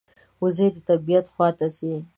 وزې د طبعیت خوا ته ځي